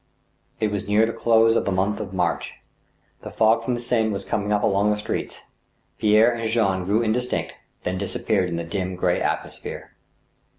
It was near the close of the month of March. A fog from the Seine was coming up along the streets. Pierre and Jean grew in distinct, then disappeared in the dim, gray atmosphere.